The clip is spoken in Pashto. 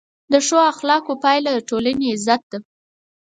د ښو اخلاقو پایله د ټولنې عزت ده.